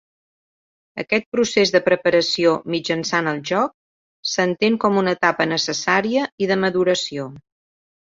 Aquest procés de preparació mitjançant el joc s'entén com una etapa necessària i de maduració.